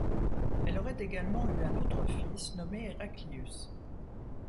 Elle aurait également eu un autre fils, nommé Héraclius.